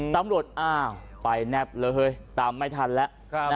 ตำรวจอ้าวไปแนบเลยเฮ้ยตามไม่ทันแล้ว